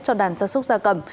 cho đàn gia súc gia cầm